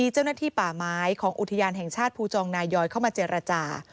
เจ้าหน้าที่ป่าไม้ของอุทยานแห่งชาติภูจองนายอยเข้ามาเจรจา